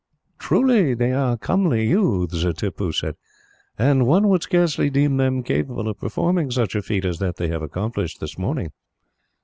"Truly they are comely youths," Tippoo said, "and one would scarcely deem them capable of performing such a feat as that they accomplished this morning.